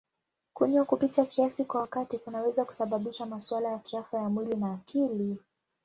Kunywa kupita kiasi kwa wakati kunaweza kusababisha masuala ya kiafya ya mwili na akili.